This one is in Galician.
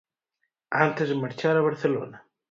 Antes de marchar a Barcelona.